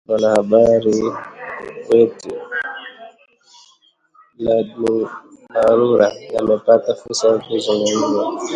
Mwanahabari wetu Gladys Marura amepata fursa ya kuzungumza